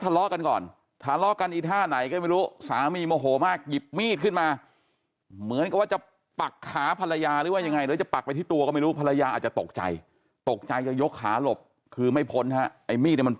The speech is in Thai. ทะเลาะกันก่อนทะเลาะกันอีท่าไหนก็ไม่รู้สามีอม